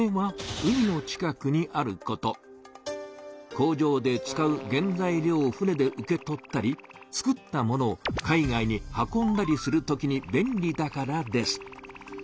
工場で使う原材料を船で受け取ったりつくったものを海外に運んだりするときに便利だからです。